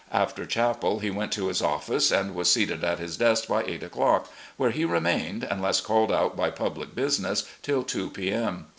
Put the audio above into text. After chapel he went to his office and was seated at his desk by eight o'clock, where he remained, unless called out by public business, till two p. M.